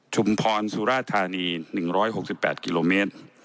ชุมพรสุราธานี๑๖๘กิโลเมตร